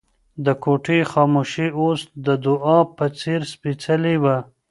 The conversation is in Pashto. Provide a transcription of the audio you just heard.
د کوټې خاموشي اوس د دعا په څېر سپېڅلې وه.